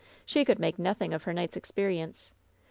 She could make nothing of her night's experience.